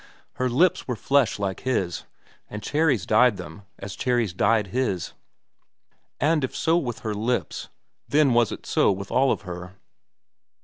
Her lips were flesh like his, and cherries dyed them as cherries dyed his. And if so with her lips, then was it so with all of her.